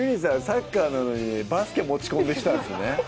サッカーなのにバスケ持ち込んできたんですね